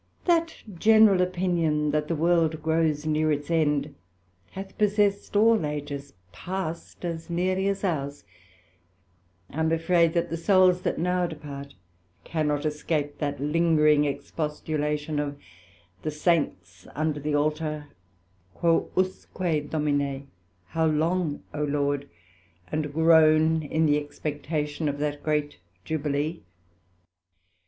That general opinion that the World grows neer its end, hath possessed all ages past as neerly as ours; I am afraid that the Souls that now depart, cannot escape that lingring expostulation of the Saints under the Altar, Quousque, Domine? How long, O Lord? and groan in the expectation of that great Jubilee.